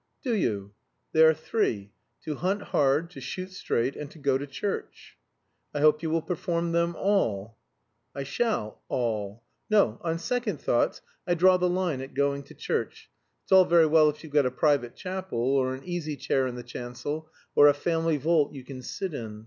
"Do you? They are three. To hunt hard; to shoot straight; and to go to church." "I hope you will perform them all." "I shall all. No on second thoughts I draw the line at going to church. It's all very well if you've got a private chapel, or an easy chair in the chancel, or a family vault you can sit in.